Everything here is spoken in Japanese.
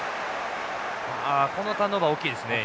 あこのターンオーバー大きいですね。